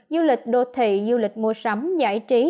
du lịch đô thị du lịch mua sắm giải trí